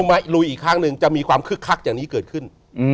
มาลุยอีกครั้งหนึ่งจะมีความคึกคักอย่างนี้เกิดขึ้น